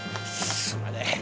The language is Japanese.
すまねえ！